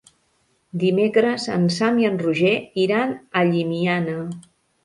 Dimecres en Sam i en Roger iran a Llimiana.